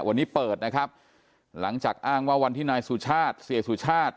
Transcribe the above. วันนี้เปิดนะครับหลังจากอ้างว่าวันที่นายสุชาติเสียสุชาติ